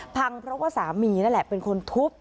พังเพราะว่าสามีนั่นแหละเป็นคนทุบ